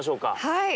はい。